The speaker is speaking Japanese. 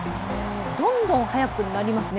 どんどん速くなりますね